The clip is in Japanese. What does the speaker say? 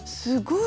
すごい。